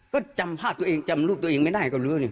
ก็จำภาพตัวเองจำรูปตัวเองไม่ได้ว่ะเรื่อย